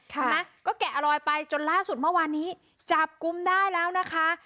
นะก็แกะรอยไปจนล่าสุดเมื่อวานนี้จับกลุ่มได้แล้วนะคะ